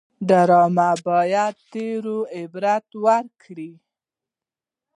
ډرامه باید د تېرو عبرت ورکړي